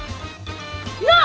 なあ！